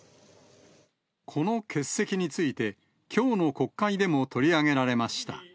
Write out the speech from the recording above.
この欠席について、きょうの国会でも取り上げられました。